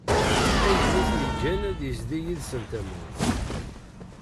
Ayen i t-yeğğan ad yezdi yid-sen tamurt.